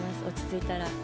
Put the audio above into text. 落ち着いたら。